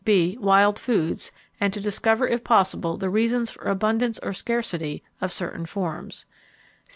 (b) Wild foods, and to discover if possible the reasons for abundance or scarcity of certain forms.